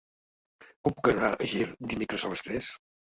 Com puc anar a Ger dimecres a les tres?